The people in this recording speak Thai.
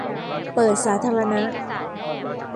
เปิดสาธารณะ